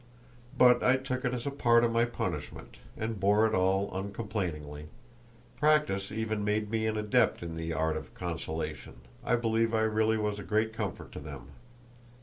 But I took it as a part of my punishment, and bore it all uncomplainingly; practice even made me an adept in the art of consolation—I believe I really was a great comfort to them.